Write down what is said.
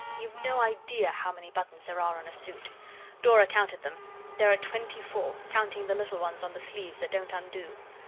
You've no idea how many buttons there are on a suit. Dora counted them. There are twenty four, counting the little ones on the sleeves that don't undo.